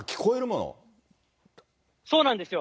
そうなんですよ。